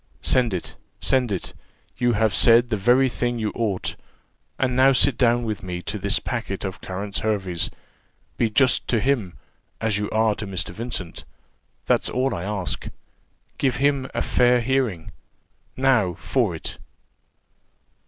"Send it send it you have said the very thing you ought; and now sit down with me to this packet of Clarence Hervey's be just to him, as you are to Mr. Vincent, that's all I ask give him a fair hearing: now for it."